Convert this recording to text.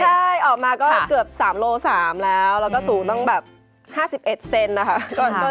ใช่ออกมาก็เกือบ๓โล๓แล้วแล้วก็สูงตั้งแบบ๕๑เซนนะคะ